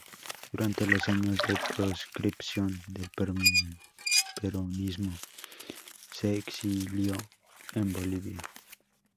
Durante los años de proscripción del peronismo se exilió en Bolivia.